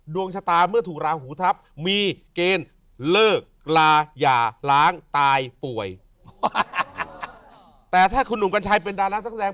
ดวงชะตาเมื่อถูกราหูทัพมีเกณฑ์เลิกลาอย่าล้างตายป่วยแต่ถ้าคุณหนุ่มกัญชัยเป็นดารานักแสดง